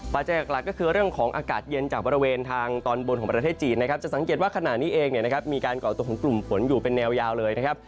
จากหลักก็คือเรื่องของอากาศเย็นจากบริเวณทางตอนบนของประเทศจีนนะครับจะสังเกตว่าขณะนี้เองเนี่ยนะครับมีการก่อตัวของกลุ่มฝนอยู่เป็นแนวยาวเลยนะครับ